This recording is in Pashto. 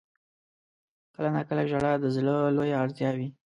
• کله ناکله ژړا د زړه لویه اړتیا وي.